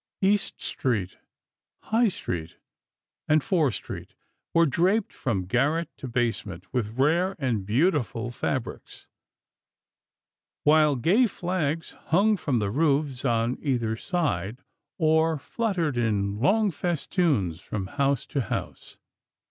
East Street, High Street, and Fore Street were draped from garret to basement with rare and beautiful fabrics, while gay flags hung from the roofs on either side, or fluttered in long festoons from house to house.